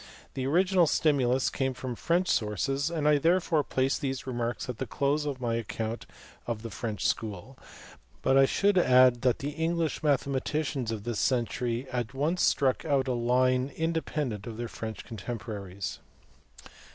The original stimulus came from French sources and I therefore place these remarks at the close of my account of the French school, but I should add that the English mathematicians of this century at once struck out a line independent of their French contemporaries.